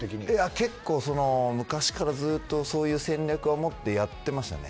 結構昔から、ずっとそういう戦略を持って、やってましたね。